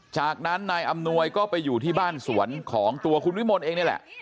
จากนั้นนายอำนวยก็ไปอยู่ที่บ้านสวนของตัวคุณวิมลเองนี่แหละ